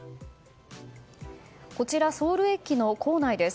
こちらソウル駅の構内です。